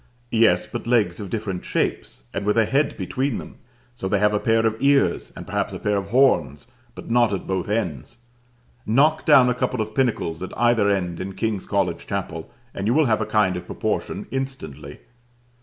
Yes, but legs of different shapes, and with a head between them. So they have a pair of ears: and perhaps a pair of horns: but not at both ends. Knock down a couple of pinnacles at either end in King's College Chapel, and you will have a kind of proportion instantly.